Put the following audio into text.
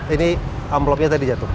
ini amplopnya tadi jatuh